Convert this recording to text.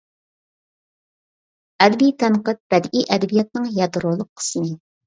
ئەدەبىي تەنقىد بەدىئىي ئەدەبىياتنىڭ يادرولۇق قىسمى.